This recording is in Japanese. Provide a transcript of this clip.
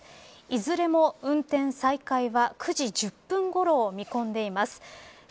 いずれも運転再開は９時１０分ごろを見込んでいます。